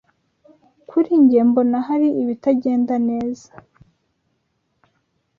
Kuri njye mbona hari ibitagenda neza